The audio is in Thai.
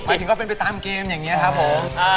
ถึงก็เป็นไปตามเกมอย่างนี้ครับผม